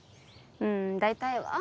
うん大体は。